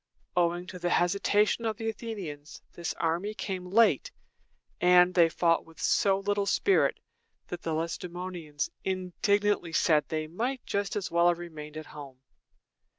Owing to the hesitation of the Athenians, this army came late, and they fought with so little spirit that the Lacedæmonians indignantly said that they might just as well have remained at home.